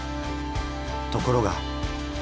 ところが。